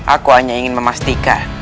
aku hanya ingin memastikan